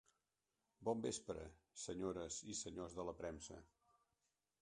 Bon vespre, senyores i senyors de la premsa.